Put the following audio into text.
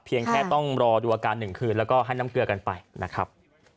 แค่ต้องรอดูอาการหนึ่งคืนแล้วก็ให้น้ำเกลือกันไปนะครับ